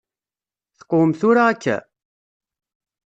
Teqwem tura akka?